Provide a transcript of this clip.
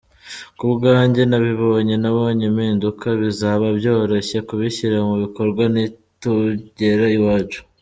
Ku bwanjye nabibonye, nabonye impinduka, bizaba byoroshye kubishyira mu bikorwa nitugera iwacu.